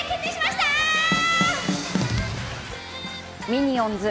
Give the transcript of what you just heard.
「ミニオンズ」